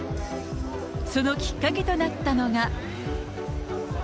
そのきっかけとなったのが。